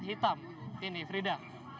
hitam ini frida